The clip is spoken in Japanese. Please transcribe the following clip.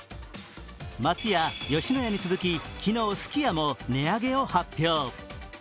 松屋、吉野家に続き、昨日、すき家も値上げを発表。